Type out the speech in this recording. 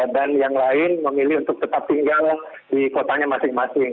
dan yang lain memilih untuk tetap tinggal di kotanya masing masing